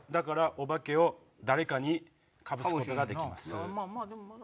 オバケを誰かに被すことができます。